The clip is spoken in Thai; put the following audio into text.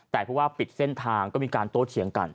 แต่เพราะว่าปิดเส้นทางก็มีการโต้เถียงกัน